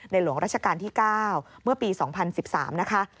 หลวงราชการที่๙เมื่อปี๒๐๑๓นะคะ